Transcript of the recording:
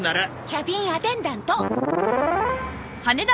キャビンアテンダント。